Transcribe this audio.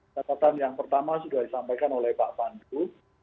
catatan yang pertama sudah disampaikan oleh pak pandu